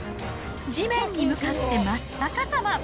地面に向かって真っ逆さま。